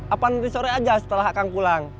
apalagi sore aja setelah akan pulang